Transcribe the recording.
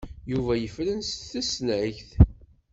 Yuba yefren s tesnagt.